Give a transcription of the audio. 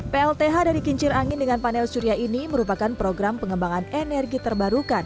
plth dari kincir angin dengan panel surya ini merupakan program pengembangan energi terbarukan